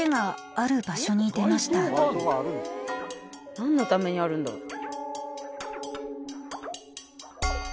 何のためにあるんだろう。